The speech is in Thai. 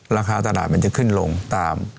ราคาตลาดมันจะขึ้นลงตาม